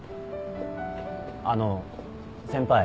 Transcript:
あの先輩。